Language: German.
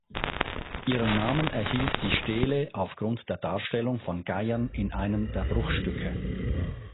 Ihren Namen erhielt die Stele aufgrund der Darstellung von Geiern in einem der Bruchstücke.